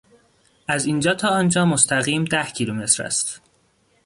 از اینجا تا آنجا مستقیم ده کیلومتر است.